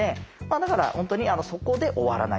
だから本当にそこで終わらない。